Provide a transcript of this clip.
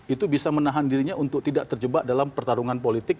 itu bisa menahan dirinya untuk tidak terjebak dalam pertarungan politik